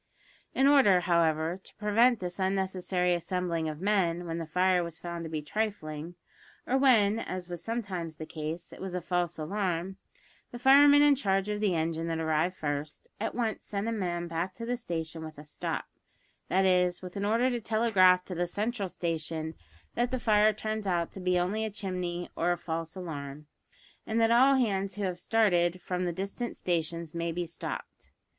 In order, however, to prevent this unnecessary assembling of men when the fire was found to be trifling, or when, as was sometimes the case, it was a false alarm, the fireman in charge of the engine that arrived first, at once sent a man back to the station with a "stop," that is, with an order to telegraph to the central station that the fire turns out to be only a chimney or a false alarm, and that all hands who have started from the distant stations may be "stopped."